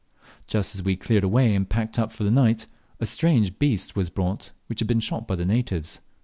Just as we had cleared away and packed up for the night, a strange beast was brought, which had been shot by the natives.